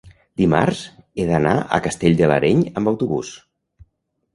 dimarts he d'anar a Castell de l'Areny amb autobús.